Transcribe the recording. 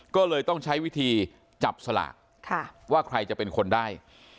ก็เลยต้องใช้วิธีจับสลากว่าใครจะเป็นคนได้